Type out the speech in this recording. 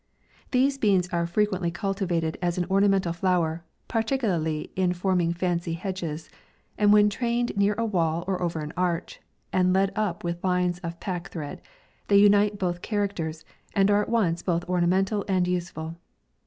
These beans are frequently cultivated as an ornamental flower, particularly in form ing fancy hedges, and when trained near a wall or over an arch, and led up with lines of pack thread, they unite both characters, and are at once both ornamental and useful.